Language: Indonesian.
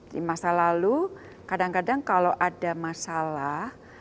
di masa lalu kadang kadang kalau ada masalah